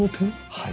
はい。